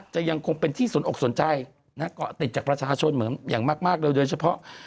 ยังคงเป็นที่สนอกสนใจเกาะติดจากประชาชนเหมือนอย่างมากเลยโดยเฉพาะ